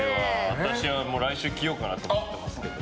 私は来週、着ようかなと思ってますけど。